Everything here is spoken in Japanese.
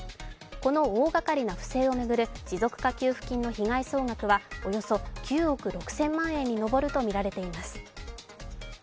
この大がかりな不正を巡る持続化給付金の被害総額はおよそ９億６０００万円に上るとみられています。